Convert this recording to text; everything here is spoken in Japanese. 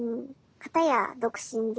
片や独身で。